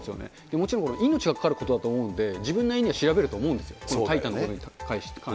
もちろん、命がかかることだと思うので、自分なりには調べると思うんですよ、このタイタンのことに関して。